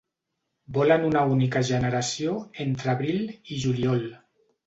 Vola en una única generació entre abril i juliol.